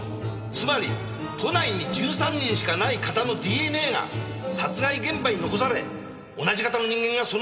つまり都内に１３人しかない型のＤＮＡが殺害現場に残され同じ型の人間がその現場から飛び出してきた！